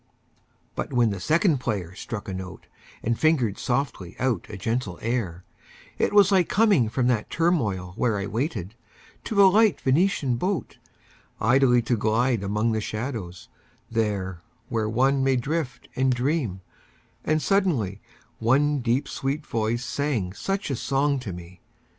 II. But when the second player struck a note And fingered softly out a gentle air It was like coming from that turmoil where I waited, to a light Venetian boat, Idly to glide among the shadows, there Where one may drift and dream; and suddenly One deep sweet voice sang such a song to me.